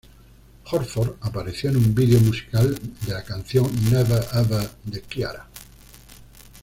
Horford apareció en un vídeo musical de la canción Never Ever de Ciara.